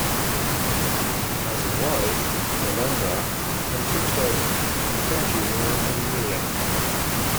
He has a wife, Yolanda, and two children, Tim Junior and Nia.